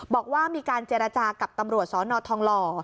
บอกว่ามีการเจรจากับตำรวจสนทองหล่อ